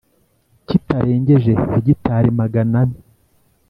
kitarengeje hegitari magana ane